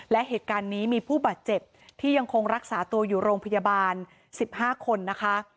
และเหตุการณ์นี้มีผู้บาดเจ็บที่ยังคงรักษาตัวอยู่โรงพยาบาล๑๕คนนะคะ